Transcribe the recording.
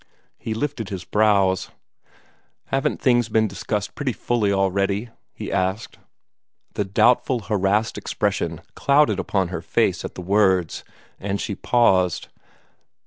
He lifted his brows. "Haven't things been discussed pretty fully already?" he asked. The doubtful, harassed expression clouded upon her face at his words, and she paused.